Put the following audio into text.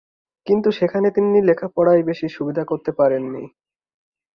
কিন্তু সেখানে তিনি লেখাপড়ায় বেশি সুবিধা করতে পারেননি।